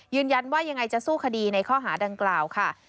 ยืนยันว่ายังไงจะสู้คดีในข้อหาดังกล่าวค่ะ